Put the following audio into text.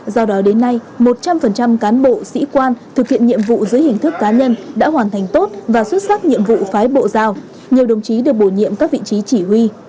do đó đến nay một trăm linh cán bộ sĩ quan thực hiện nhiệm vụ dưới hình thức cá nhân đã hoàn thành tốt và xuất sắc nhiệm vụ phái bộ giao nhiều đồng chí được bổ nhiệm các vị trí chỉ huy